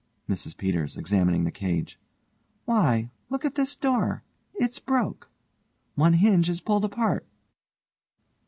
MRS PETERS: (examining the cage) Why, look at this door. It's broke. One hinge is pulled apart.